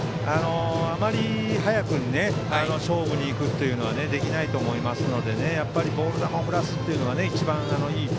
あまり早く勝負に行くというのはできないと思いますのでボール球を振らせるのが一番いい